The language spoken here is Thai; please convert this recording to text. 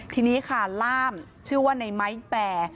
ทีนี้ค่ะล่ามชื่อว่าในไม้แปร